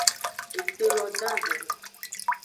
Ete lo dahen.